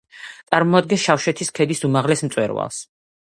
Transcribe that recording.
წარმოადგენს შავშეთის ქედის უმაღლეს მწვერვალს.